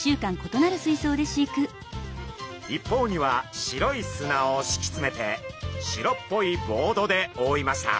一方には白い砂をしきつめて白っぽいボードでおおいました。